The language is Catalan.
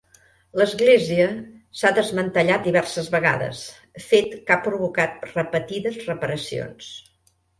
L'església s'ha desmantellat diverses vegades, fet que ha provocat repetides reparacions.